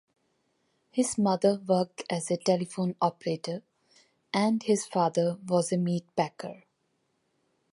His mother worked as a telephone operator, and his father was a meat-packer.